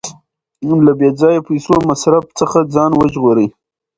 له بې ځایه پیسو مصرف څخه ځان وژغورئ.